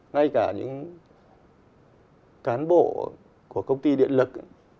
ngay cả những cán bộ của công ty điện lực